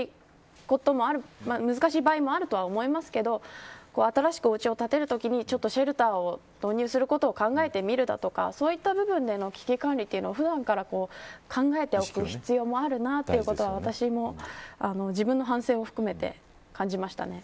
難しい場合もあると思いますけど新しくお家を建てるときにシェルターを導入することを考えてみるとかそういう部分での危機管理を普段から考えておく必要があるんだと私も自分の反省を含めて感じましたね。